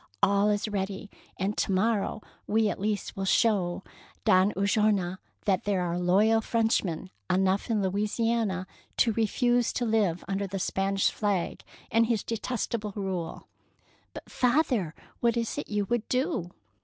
All is ready, and to morrow we at least will show Don Ulloa that there are loyal Frenchmen enough in Louisiana to refuse to live under the Spanish flag and his detestable rule." " But, father, what is it you would do?"